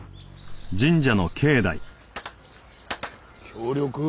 協力？